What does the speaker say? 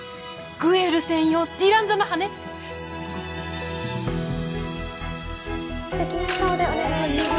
グエル専用ディランザの羽根・素敵な笑顔でお願いしまー